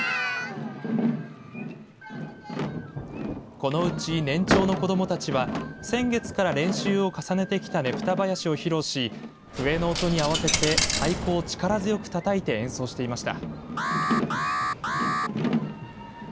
このうち年長の子どもたちは先月から練習を重ねてきたねぷた囃子を披露し笛の音に合わせて太鼓を力強くたたいて演奏していました。